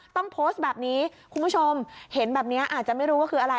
ต้องโพสต์แบบนี้คุณผู้ชมเห็นแบบนี้อาจจะไม่รู้ว่าคืออะไร